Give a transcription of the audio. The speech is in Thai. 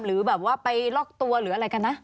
หรือแบบว่าไปล็อกตัวหรืออะไรกันนะ